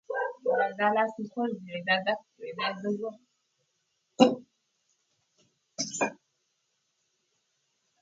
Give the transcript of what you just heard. اداري نظام د نظم ساتلو لپاره دی.